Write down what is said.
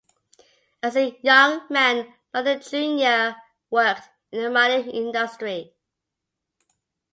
As a young man, Longden Junior worked in the mining industry.